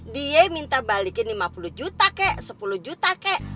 dia minta balikin lima puluh juta kek sepuluh juta kek